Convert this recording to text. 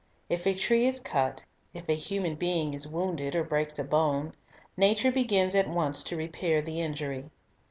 If a ^* tree is cut, if a human being is wounded or breaks a bone, nature begins at once to repair the injury.